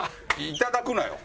いただくなよ